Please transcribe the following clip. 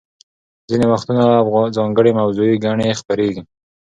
ځینې وختونه ځانګړې موضوعي ګڼې خپریږي.